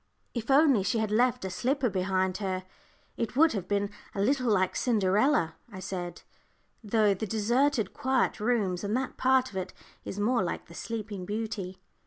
"If only she had left a slipper behind her, it would have been a little like Cinderella," I said; "though the deserted, quiet rooms, and that part of it, is more like the Sleeping Beauty."